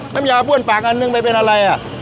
น้ำยาบ้วนปากอันนึงไปเป็นอะไรอ่ะ